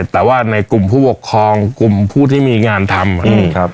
แต่ว่าในคลุมผู้หกครองที่มีงานทำ